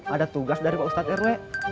ada tugas dari pak ustadz rw